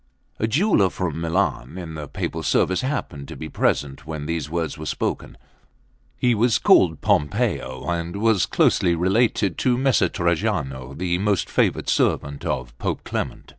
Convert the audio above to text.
A jeweller from Milan in the Papal service happened to be present when these words were spoken. He was called Pompeo, and was closely related to Messer Trajano, the most favoured servant of Pope Clement.